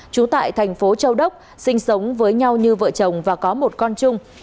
trú tại thành phố châu đốc sinh sống với nhau như vợ chồng và có một con chung